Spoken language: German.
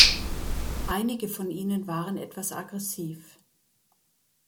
Einige von ihnen waren etwas aggressiv.